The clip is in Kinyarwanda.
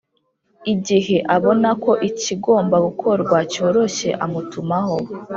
Igihe abona ko ikigomba gukorwa cyoroshye amutumaho